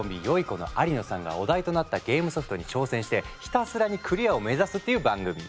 ゐこの有野さんがお題となったゲームソフトに挑戦してひたすらにクリアを目指すっていう番組。